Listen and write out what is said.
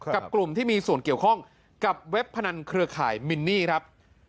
กับกลุ่มที่มีส่วนเกี่ยวข้องกับเว็บพนันเครือข่ายมินนี่ครับ